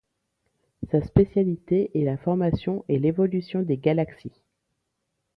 Sa spécialité est la formation et l'évolution des galaxies.